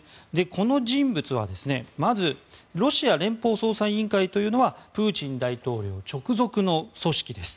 この人物は、まずロシア連邦捜査委員会というのはプーチン大統領の直属の組織です。